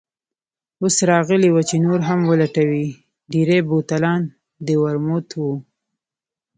اوس راغلې وه چې نور هم ولټوي، ډېری بوتلان د ورموت وو.